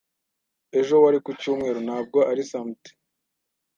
Ejo wari ku cyumweru, ntabwo ari samedi.